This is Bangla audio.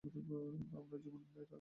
কিন্তু আমরা জানি এটা কি।